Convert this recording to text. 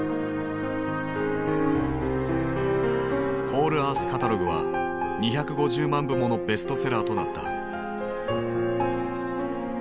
「ホールアースカタログ」は２５０万部ものベストセラーとなった。